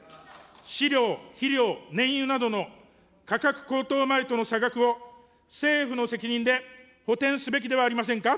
飼料、肥料、燃油などの価格高騰前との差額を、政府の責任で補填すべきではありませんか。